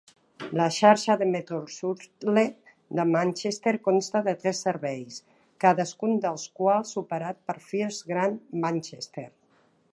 La xarxa de Metroshuttle de Manchester consta de tres serveis, cadascun dels quals operat per First Grand Manchester.